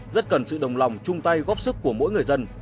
rất cần sự đồng lòng chung tay góp sức của mỗi người dân